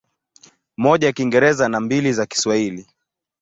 Moja ya Kiingereza na mbili za Kiswahili.